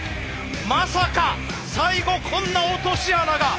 まさか最後こんな落とし穴が。